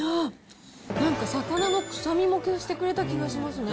なんか魚の臭みも消してくれた気がしますね。